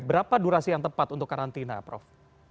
berapa durasi yang tepat untuk karantina prof